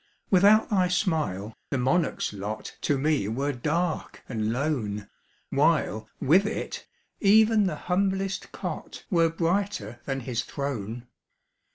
Without thy smile, the monarch's lot To me were dark and lone, While, with it, even the humblest cot Were brighter than his throne.